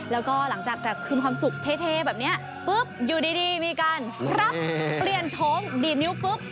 แล้วก็หลังจากคืนความสุขเทแบบนี้ปุ๊บอยู่ดีมีการรับเปลี่ยนโฉมดีดนิ้วปุ๊บ